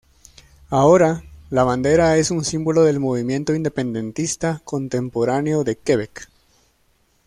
Ahora, la bandera es un símbolo del movimiento independentista contemporáneo de Quebec.